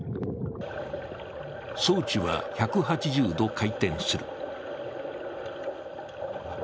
装置は１８０度回転する。